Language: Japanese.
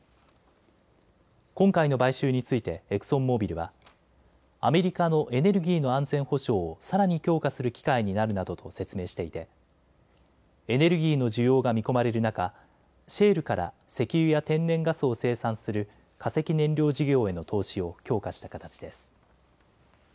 今回の買収についてエクソンモービルはアメリカのエネルギーの安全保障をさらに強化する機会になるなどと説明していてエネルギーの需要が見込まれる中、シェールから石油や天然ガスを生産する化石燃料事業への投資を強化した形です。